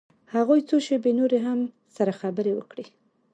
هغوى څو شېبې نورې هم سره خبرې وکړې.